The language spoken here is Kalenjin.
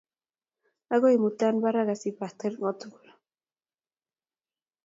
Agoi imuta barak asipaten kotukul